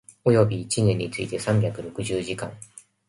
及び一年について三百六十時間